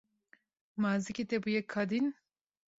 Ma zikê te bûye kadîn.